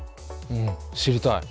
うん知りたい。